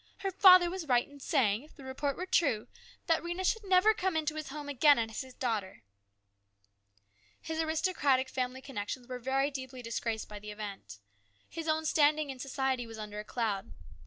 " Her father was right in saying, if the report were true, that Rhena never should come into his home again as his daughter." His aristocratic family connections were very deeply disgraced by the event. His own standing in society was under a cloud.